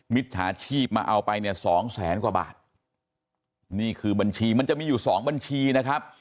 มิจฉาชีพมาเอาไปเนี่ยสองแสนกว่าบาทนี่คือบัญชีมันจะมีอยู่สองบัญชีนะครับ